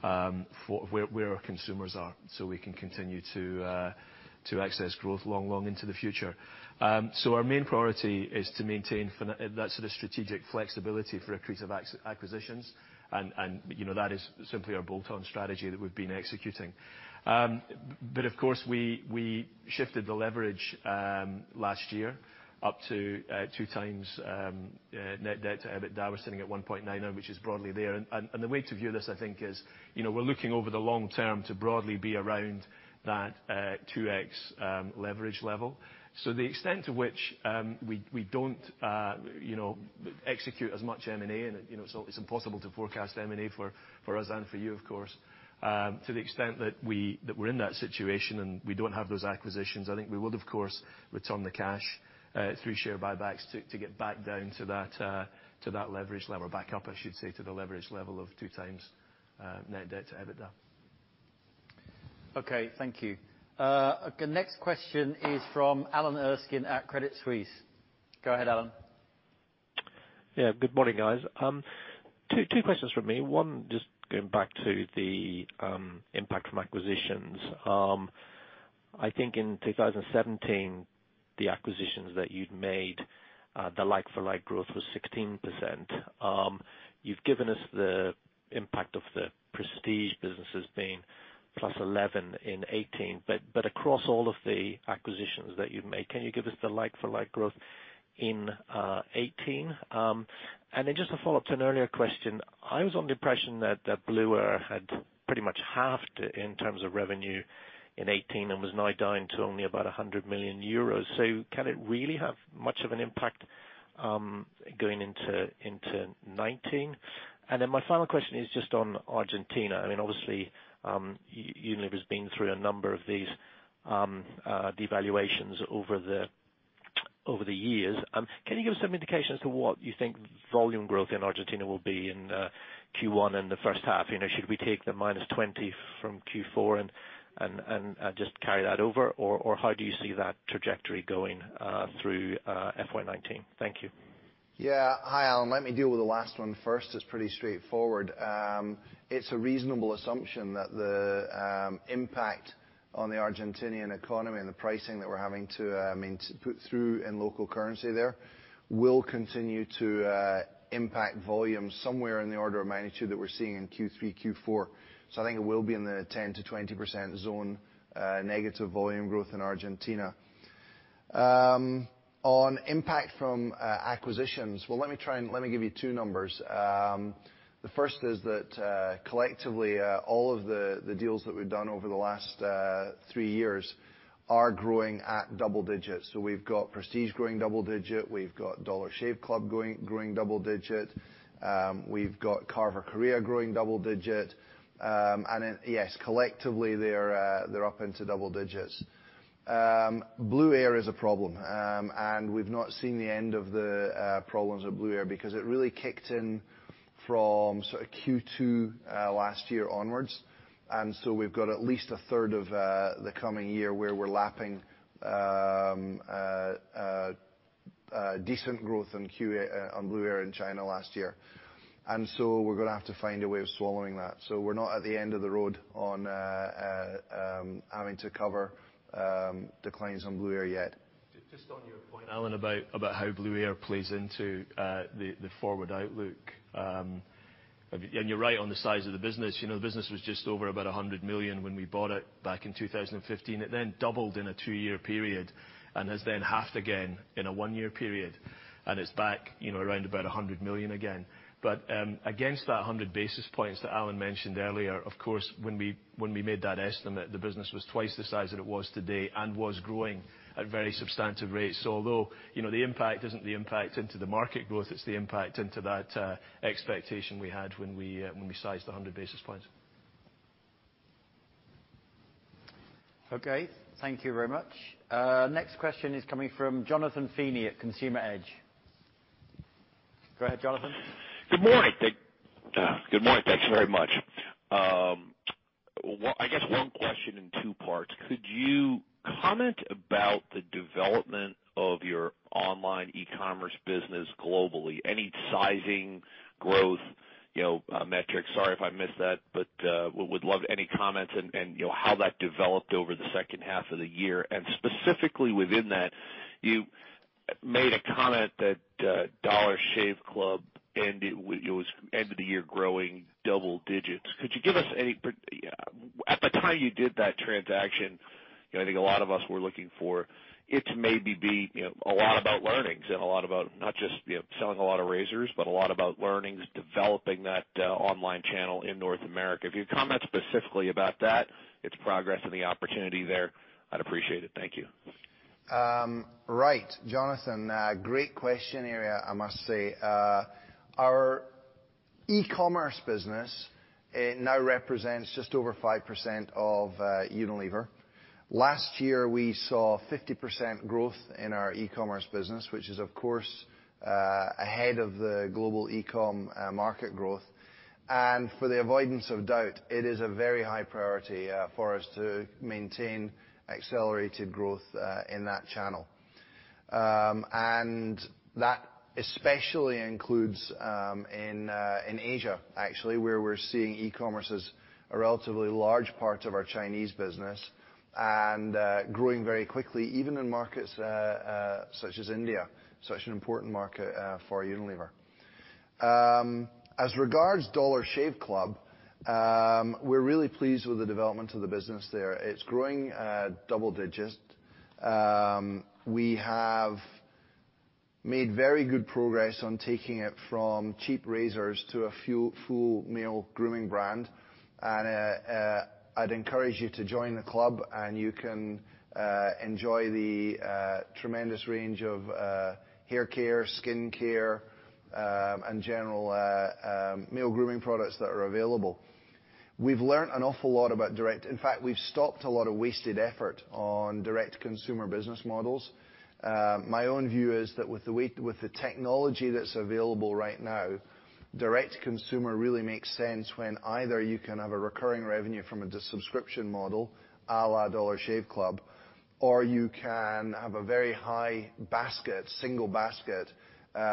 [SPEAKER 4] where our consumers are so we can continue to access growth long into the future. Our main priority is to maintain that sort of strategic flexibility for accretive acquisitions, and that is simply our bolt-on strategy that we've been executing. Of course, we shifted the leverage last year up to 2x net debt to EBITDA. We're sitting at 1.9x now, which is broadly there. The way to view this, I think, is we're looking over the long term to broadly be around that 2x leverage level. The extent to which we don't execute as much M&A, and it's impossible to forecast M&A for us and for you, of course. To the extent that we're in that situation and we don't have those acquisitions, I think we would, of course, return the cash through share buybacks to get back down to that leverage level. Or back up, I should say, to the leverage level of 2x net debt to EBITDA.
[SPEAKER 6] Okay, thank you. Next question is from Alan Erskine at Credit Suisse. Go ahead, Alan.
[SPEAKER 9] Good morning, guys. Two questions from me. One, just going back to the impact from acquisitions. I think in 2017, with the acquisitions that you'd made, the like-for-like growth was 16%. You've given us the impact of the prestige businesses being +11 in 2018, but across all of the acquisitions that you've made, can you give us the like-for-like growth in 2018? Just to follow up on an earlier question, I was under the impression that Blueair had pretty much halved in terms of revenue in 2018 and was now down to only about 100 million euros. Can it really have much of an impact, going into 2019? My final question is just on Argentina. Obviously, Unilever's been through a number of these devaluations over the years. Can you give us some indication as to what you think volume growth in Argentina will be in Q1 in the first half? Should we take the -20% from Q4 and just carry that over, or how do you see that trajectory going through FY 2019? Thank you.
[SPEAKER 3] Yeah. Hi, Alan. Let me deal with the last one first. It's pretty straightforward. It's a reasonable assumption that the impact on the Argentinian economy and the pricing that we're having to put through in local currency there will continue to impact volume somewhere in the order of magnitude that we're seeing in Q3, Q4. I think it will be in the 10%-20% zone, negative volume growth in Argentina. On impact from acquisitions, well, let me give you two numbers. The first is that, collectively, all of the deals that we've done over the last three years are growing at double digits. We've got Prestige growing double digits; we've got Dollar Shave Club growing double digits; we've got Carver Korea growing double digits. Yes, collectively they're up into double digits. Blueair is a problem. We've not seen the end of the problems with Blueair because it really kicked in from Q2 last year onwards. We've got at least a third of the coming year where we're lapping decent growth on Blueair in China last year. We're going to have to find a way of swallowing that. We're not at the end of the road on having to cover declines on Blueair yet.
[SPEAKER 4] Alan, about how Blueair plays into the forward outlook. You're right on the size of the business. The business was just over about 100 million when we bought it back in 2015. It then doubled in a two-year period and has then halved again in a one-year period, and it's back around about 100 million again. Against that 100 basis points that Alan mentioned earlier, of course, when we made that estimate, the business was twice the size that it was today and was growing at very substantive rates. Although the impact isn't the impact on the market growth, it's the impact on that expectation we had when we sized 100 basis points. Okay. Thank you very much. Next question is coming from Jonathan Feeney at Consumer Edge. Go ahead, Jonathan.
[SPEAKER 10] Good morning. Good morning. Thanks very much. I guess it's one question in two parts. Could you comment about the development of your online e-commerce business globally? Any sizing growth metrics? Sorry if I missed that. Would love any comments on how that developed over the second half of the year. Specifically within that, you made a comment that Dollar Shave Club ended the year growing double digits. At the time you did that transaction, I think a lot of us were looking for it to maybe be a lot about learnings and a lot about not just selling a lot of razors but a lot about learnings and developing that online channel in North America. If you comment specifically about that, its progress, and the opportunity there, I'd appreciate it. Thank you.
[SPEAKER 3] Right. Jonathan, a great question area, I must say. Our e-commerce business now represents just over 5% of Unilever. Last year, we saw 50% growth in our e-commerce business, which is, of course, ahead of the global e-com market growth. For the avoidance of doubt, it is a very high priority for us to maintain accelerated growth in that channel. That especially includes Asia, actually, where we're seeing e-commerce as a relatively large part of our Chinese business and growing very quickly, even in markets such as India, a very important market for Unilever. As regards Dollar Shave Club, we're really pleased with the development of the business there. It's growing double digits. We have made very good progress on taking it from cheap razors to a full male grooming brand. I'd encourage you to join the club, and you can enjoy the tremendous range of hair care, skin care, and general male grooming products that are available. We've learned an awful lot about direct. In fact, we've stopped a lot of wasted effort on direct consumer business models. My own view is that with the technology that's available right now, direct-to-consumer really makes sense when either you can have a recurring revenue from a subscription model, a la Dollar Shave Club, or you can have a very high single basket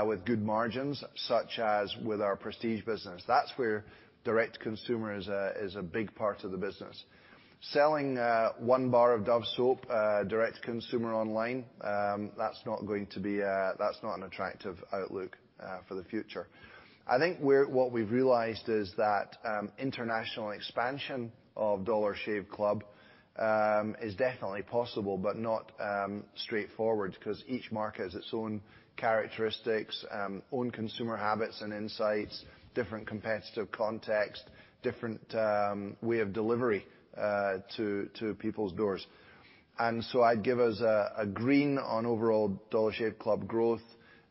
[SPEAKER 3] with good margins, such as with our prestige business. That's where direct-to-consumer is a big part of the business. Selling one bar of Dove soap direct to consumers online is not an attractive outlook for the future. I think what we've realized is that international expansion of Dollar Shave Club is definitely possible but not straightforward because each market has its own characteristics, its own consumer habits and insights, a different competitive context, and a different way of delivery to people's doors. I'd give us a green on overall Dollar Shave Club growth,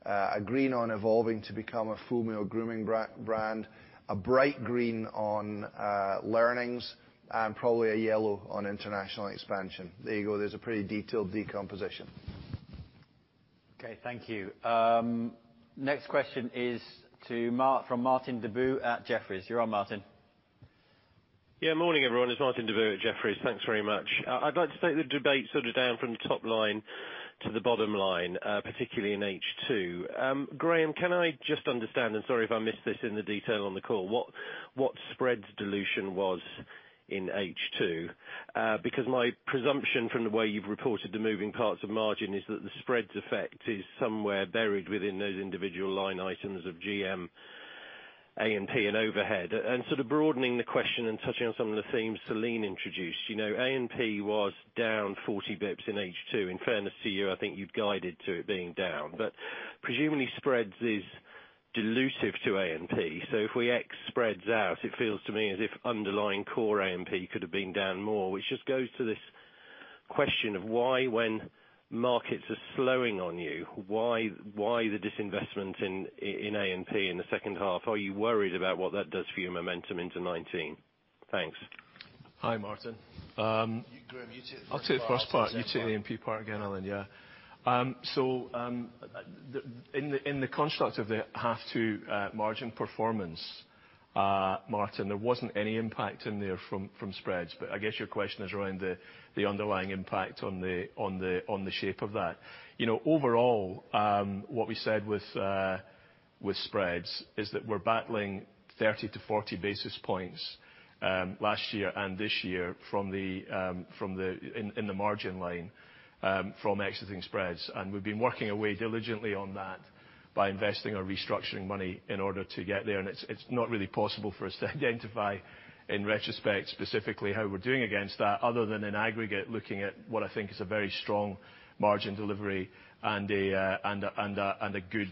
[SPEAKER 3] a green on evolving to become a full male grooming brand, a bright green on learnings, and probably a yellow on international expansion. There you go. There's a pretty detailed decomposition.
[SPEAKER 2] Okay, thank you. Next question is to Martin Deboo at Jefferies. You're on, Martin.
[SPEAKER 11] Morning, everyone. It's Martin Deboo at Jefferies. Thanks very much. I'd like to take the debate sort of down from the top line to the bottom line, particularly in H2. Graeme, can I just understand, and sorry if I missed this in the detail on the call, what the spread dilution was in H2? My presumption from the way you've reported the moving parts of margin is that the spreads' effect is somewhere buried within those individual line items of GM, A&P, and overhead. Sort of broadening the question and touching on some of the themes Celine introduced, A&P was down 40 basis points in H2. In fairness to you, I think you've guided it to being down. Presumably, spreads are dilutive to A&P. If we X spread out, it feels to me as if underlying core A&P could have been down more, which just goes to this question of why, when markets are slowing on you, there was disinvestment in A&P in the second half? Are you worried about what that does for your momentum into 2019? Thanks.
[SPEAKER 4] Hi, Martin.
[SPEAKER 3] Graeme, you take the first part.
[SPEAKER 4] I'll take the first part. You take the A&P part again, Alan, yeah. In the construct of the H2 margin performance, Martin, there wasn't any impact in there from the spreads. I guess your question is around the underlying impact on the shape of that. Overall, what we said with spreads is that we're battling 30-40 basis points, last year and this year, in the margin line from exiting spreads. We've been working away diligently on that by investing our restructuring money in order to get there. It's not really possible for us to identify, in retrospect, specifically how we're doing against that other than in aggregate, looking at what I think is a very strong margin delivery and a good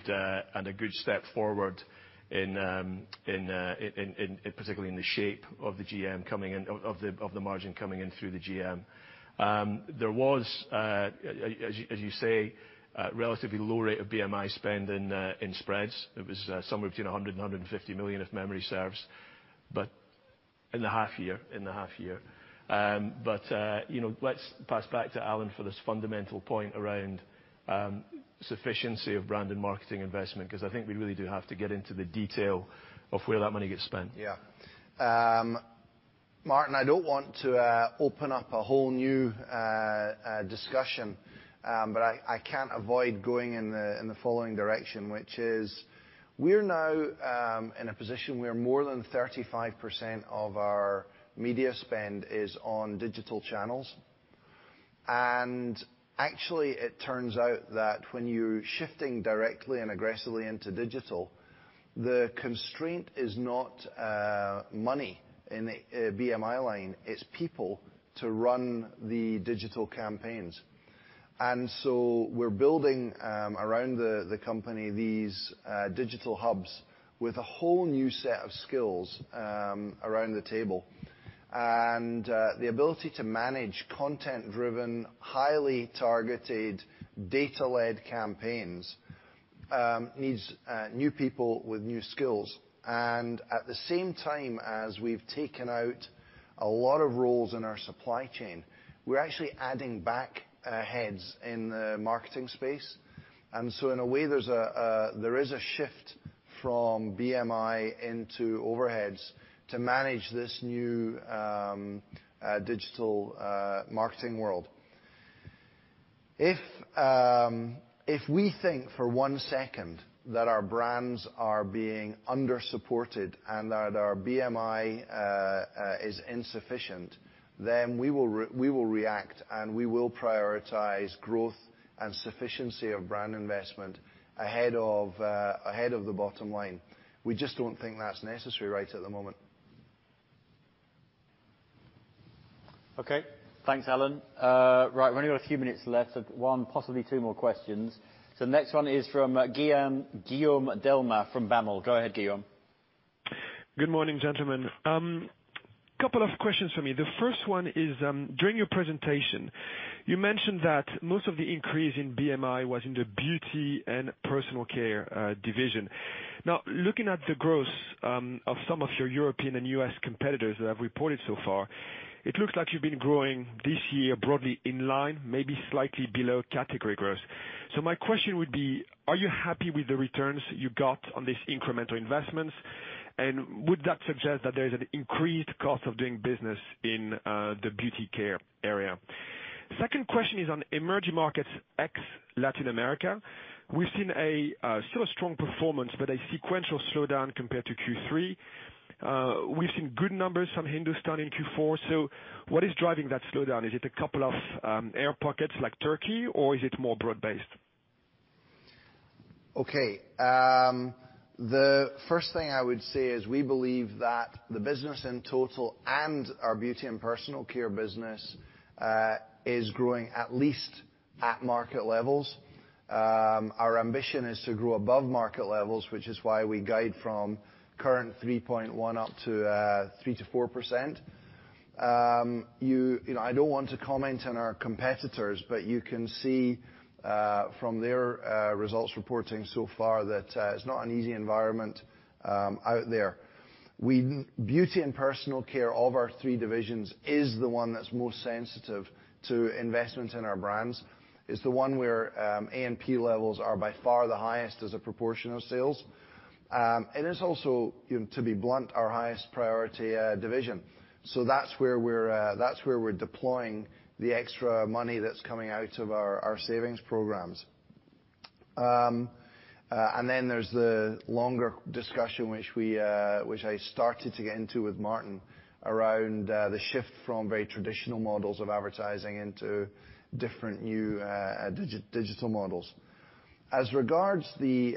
[SPEAKER 4] step forward, particularly in the shape of the margin coming in through the GM. There was, as you say, a relatively low rate of BMI spend in spreads. It was somewhere between 100 million and 150 million, if memory serves. In the half year. Let's pass back to Alan for this fundamental point around sufficiency of brand and marketing investment because I think we really do have to get into the detail of where that money gets spent.
[SPEAKER 3] Yeah. Martin, I don't want to open up a whole new discussion, but I can't avoid going in the following direction, which is we're now in a position where more than 35% of our media spend is on digital channels. Actually, it turns out that when you're shifting directly and aggressively into digital, the constraint is not money in the BMI line; it's people to run the digital campaigns. We're building around the company these digital hubs with a whole new set of skills around the table. The ability to manage content-driven, highly targeted, data-led campaigns needs new people with new skills. At the same time as we've taken out a lot of roles in our supply chain, we're actually adding back heads in the marketing space. In a way, there is a shift from BMI into overheads to manage this new digital marketing world. If we think for one second that our brands are being undersupported and that our BMI is insufficient, then we will react, and we will prioritize growth and sufficiency of brand investment ahead of the bottom line. We just don't think that's necessary right at the moment.
[SPEAKER 2] Okay. Thanks, Alan. We've only got a few minutes left. One, possibly two more questions. Next one is from Guillaume Delmas from UBS. Go ahead, Guillaume.
[SPEAKER 12] Good morning, gentlemen. Couple of questions for me. The first one is, during your presentation, you mentioned that most of the increase in BMI was in the Beauty and Personal Care division. Looking at the growth of some of your European and U.S. competitors that have reported so far, it looks like you've been growing this year broadly in line, maybe slightly below category growth. My question would be, are you happy with the returns you got on these incremental investments? Would that suggest that there is an increased cost of doing business in the beauty care area? Second question is on emerging markets in X Latin America. We've still seen a strong performance, but a sequential slowdown compared to Q3. We've seen good numbers from Hindustan in Q4. What is driving that slowdown? Is it a couple of air pockets like Turkey, or is it more broad-based?
[SPEAKER 3] Okay. The first thing I would say is we believe that the business in total and our Beauty and Personal Care business, is growing at least at market levels. Our ambition is to grow above market levels, which is why we guide from the current 3.1% up to 3%-4%. I don't want to comment on our competitors; you can see from their results reporting so far that it's not an easy environment out there. Beauty and Personal Care, of our three divisions, is the one that's most sensitive to investments in our brands. It's the one where A&P levels are by far the highest as a proportion of sales. It's also, to be blunt, our highest priority division. That's where we're deploying the extra money that's coming out of our savings programs. There's the longer discussion, which I started to get into with Martin around the shift from very traditional models of advertising into different new digital models. Regards the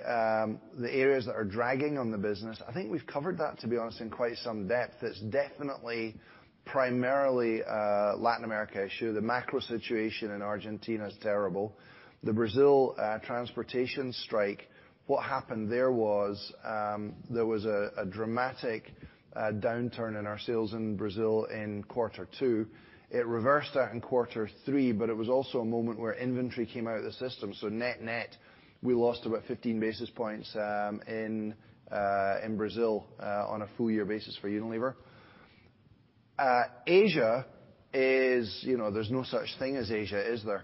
[SPEAKER 3] areas that are dragging on the business, I think we've covered that, to be honest, in quite some depth. It's definitely primarily a Latin American issue. The macro situation in Argentina is terrible. The Brazil transportation strike: what happened there was there was a dramatic downturn in our sales in Brazil in quarter two. It reversed that in quarter three, but it was also a moment where inventory came out of the system. Net-net, we lost about 15 basis points in Brazil on a full-year basis for Unilever. Asia—there's no such thing as Asia, is there?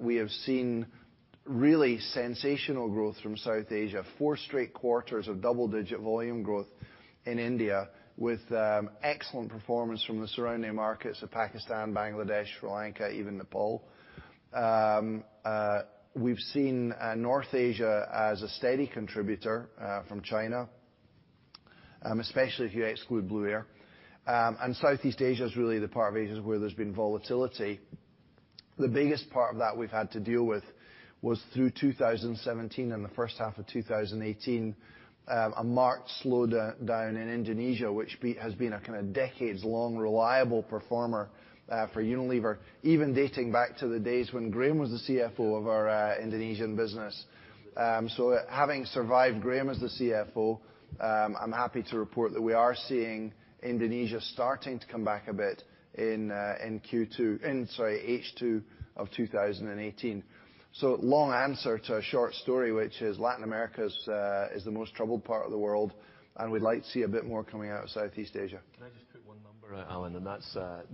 [SPEAKER 3] We have seen really sensational growth from South Asia. Four straight quarters of double-digit volume growth in India, with excellent performance from the surrounding markets of Pakistan, Bangladesh, Sri Lanka, and even Nepal. We've seen North Asia as a steady contributor from China, especially if you exclude Blueair. Southeast Asia is really the part of Asia where there's been volatility. The biggest part of that we've had to deal with was through 2017 and the first half of 2018, a marked slowdown in Indonesia, which has been a kind of decades-long reliable performer for Unilever, even dating back to the days when Graeme was the CFO of its Indonesian business. Having survived Graeme as the CFO, I'm happy to report that we are seeing Indonesia starting to come back a bit in H2 of 2018. Long answer to a short story, which is Latin America is the most troubled part of the world; we'd like to see a bit more coming out of Southeast Asia.
[SPEAKER 4] Can I just put one number out, Alan? that's, I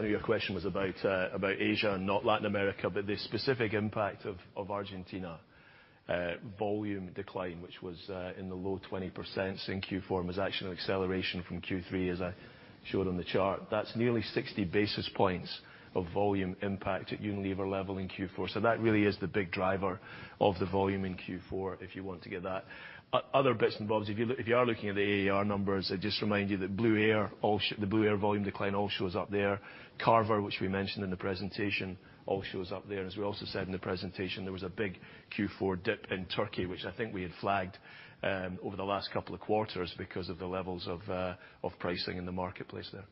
[SPEAKER 4] know your question was about Asia, not Latin America, but the specific impact of Argentina's volume decline, which was in the low 20% in Q4, was actually an acceleration from Q3, as I showed on the chart. That's nearly 60 basis points of volume impact at the Unilever level in Q4. That really is the big driver of the volume in Q4, if you want to get that. Other bits and bobs, if you are looking at the AER numbers, I just remind you that the Blueair volume decline all shows up there. Carver, which we mentioned in the presentation, all shows up there. As we also said in the presentation, there was a big Q4 dip in Turkey, which I think we had flagged over the last couple of quarters because of the levels of pricing in the marketplace there.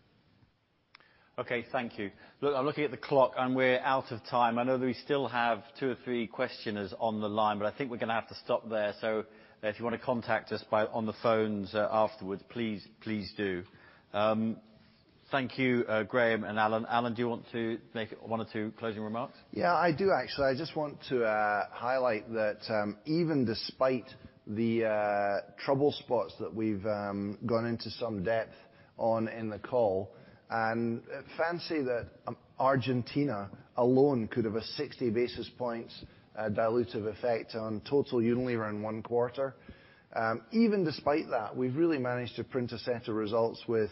[SPEAKER 2] Okay, thank you. Look, I'm looking at the clock, and we're out of time. I know that we still have two or three questioners on the line, but I think we're going to have to stop there. If you want to contact us on the phones afterwards, please do. Thank you, Graeme and Alan. Alan, do you want to make one or two closing remarks?
[SPEAKER 3] I do actually. I just want to highlight that even despite the trouble spots that we've gone into some depth on in the call, fancy that: Argentina alone could have a 60 basis points dilutive effect on total Unilever in one quarter. Even despite that, we've really managed to print a set of results with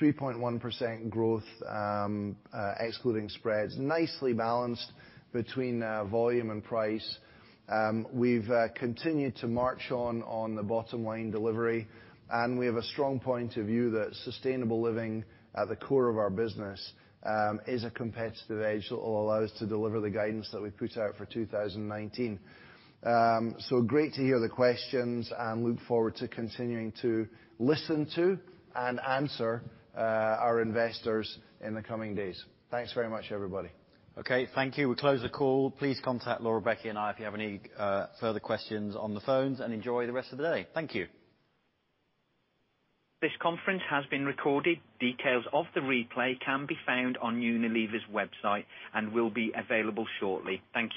[SPEAKER 3] 3.1% growth, excluding spreads, nicely balanced between volume and price. We've continued to march on the bottom line delivery; we have a strong point of view that sustainable living at the core of our business is a competitive edge that will allow us to deliver the guidance that we put out for 2019. Great to hear the questions and look forward to continuing to listen to and answer our investors in the coming days. Thanks very much, everybody.
[SPEAKER 2] Okay, thank you. We close the call. Please contact Laura, Becky, and me if you have any further questions on the phones; enjoy the rest of the day. Thank you.
[SPEAKER 1] This conference has been recorded. Details of the replay can be found on Unilever's website and will be available shortly. Thank you.